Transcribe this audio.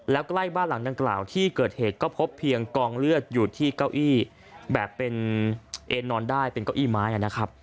แล้วใกล้บ้านหลังดังกล่าวที่เกิดเหตุก็พบเพียงกองเลือดอยู่ที่เก้าอี้แบบเป็นเอ็นนอนได้เป็นเก้าอี้ไม้นะครับ